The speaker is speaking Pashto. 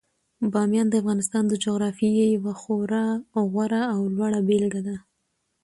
بامیان د افغانستان د جغرافیې یوه خورا غوره او لوړه بېلګه ده.